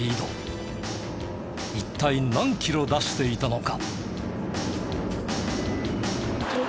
一体何キロ出していたのか？